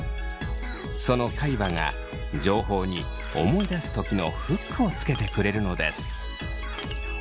その海馬が情報に思い出す時のフックをつけてくれるのです。